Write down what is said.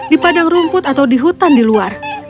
di padang rumput atau di hutan di luar